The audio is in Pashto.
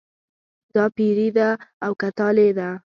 دا پیري ده او که طالع ده.